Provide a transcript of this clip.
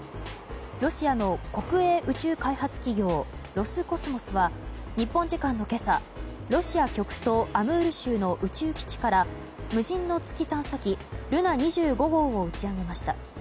ロシアの国営宇宙開発企業ロスコスモスは日本時間の今朝ロシア極東アムール州の宇宙基地から無人の月探査機「ルナ２５号」を打ち上げました。